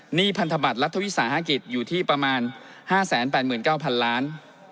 หพันธบัตรรัฐวิสาหกิจอยู่ที่ประมาณ๕๘๙๐๐ล้าน